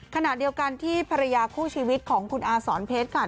ขณะเดียวกันที่ภรรยาคู่ชีวิตของคุณอาสอนเพชรค่ะ